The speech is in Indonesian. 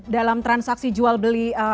dalam transaksi jual beli